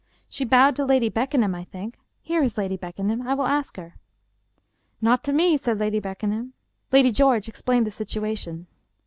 " She bowed to Lady Beckenham, I think. Here is Lady Beckenham. I will ask her." " Not to me," said Lady Beckenham. Lady George explained the situation.